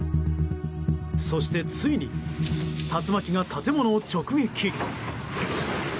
そして、ついに竜巻が建物を直撃。